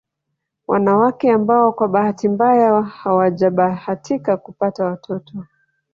Wanawake ambao kwa bahati mbaya hawajabahatika kupata watoto